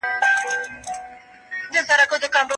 که پر سړکونو سپینې کرښې واچول سي، نو چلوونکي لار نه غلطوي.